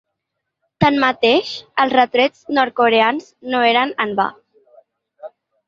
Tanmateix, els retrets nord-coreans no eren en va.